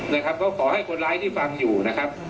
นะครับก็ขอให้คนร้ายที่ฟังอยู่นะครับ